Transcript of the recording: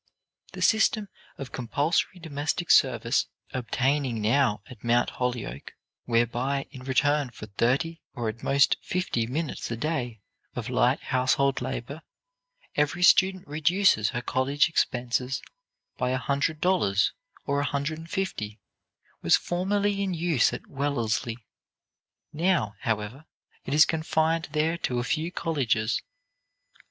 The system of compulsory domestic service obtaining now at Mount Holyoke whereby, in return for thirty, or at the most, fifty minutes a day of light household labor, every student reduces her college expenses by a hundred dollars or a hundred and fifty, was formerly in use at Wellesley; now, however, it is confined there to a few cottages.